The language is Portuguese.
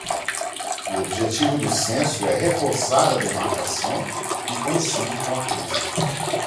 O objetivo do censo é reforçar a demarcação e coincide com a crise